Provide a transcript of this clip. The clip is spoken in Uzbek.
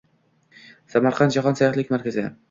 Samarqand – jahon sayyohlik markazi